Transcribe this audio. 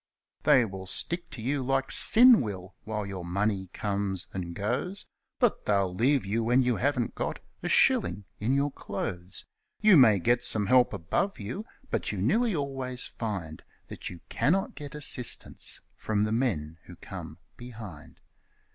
They will stick to you like sin will, while your money comes and goes, But they'll leave you when you haven't got a shilling in your clothes. You may get some help above you, but you'll nearly always find That you cannot get assistance from the men who come behind.